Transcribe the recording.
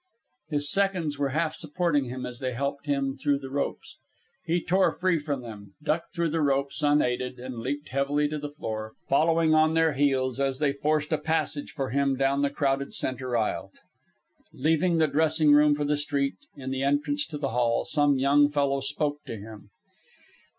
His seconds were half supporting him as they helped him through the ropes. He tore free from them, ducked through the ropes unaided, and leaped heavily to the floor, following on their heels as they forced a passage for him down the crowded centre aisle. Leaving the dressing room for the street, in the entrance to the hall, some young fellow spoke to him.